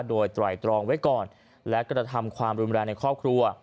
โดยไตรตรองไว้ก่อนและกระทำความรุนแรงในครอบครัว